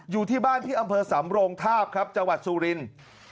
อยู่ที่บ้านที่อำเภอสำโรงทาบครับจังหวัดสุรินทร์